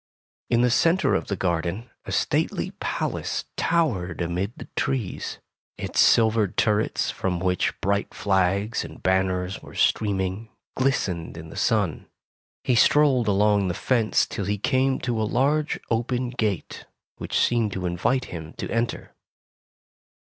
In the centre of the garden, a stately palace towered amid the trees. Its silver turrets, from which bright flags and banners were streaming, glistened in the sun. He strolled along the fence till he came to a large open gate, which seemed to invite him to enter.